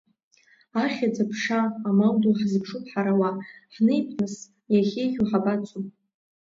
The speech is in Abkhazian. Ахьӡ-аԥша, амал ду ҳзыԥшуп ҳара уа, ҳнеип, нас, иахьеиӷьу ҳабацо!